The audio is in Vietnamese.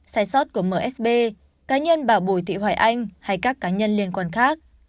sai sót của msb cá nhân bảo bồi thị hoài anh hay các cá nhân liên quan khác